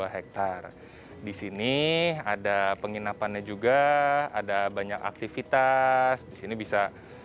hai di sini ada penginapannya juga ada banyak aktivitas ini bisa